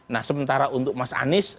nah sementara untuk mas anies